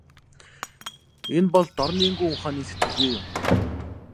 Энэ бол дорнын гүн ухааны сэтгэлгээ юм.